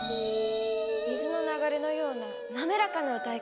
水の流れのような滑らかな歌い方。